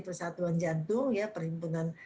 persatuan jantung perlindungan